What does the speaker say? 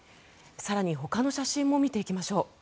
更にほかの写真も見ていきましょう。